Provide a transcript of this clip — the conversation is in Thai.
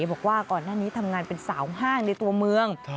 บอกว่าก่อนหน้านี้ทำงานเป็นสาวห้างในตัวเมือง